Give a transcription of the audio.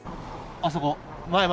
あそこ、前。